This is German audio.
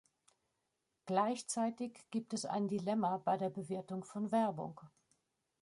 Gleichzeitig gibt es ein Dilemma bei der Bewertung von Werbung.